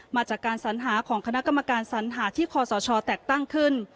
มาจากการสัญหาของคณะกรรมการสัญหาที่คอสชแตกตั้งขึ้น